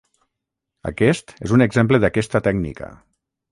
Aquest és un exemple d'aquesta tècnica.